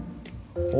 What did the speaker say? お。